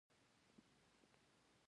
انجنیر باید څنګه وي؟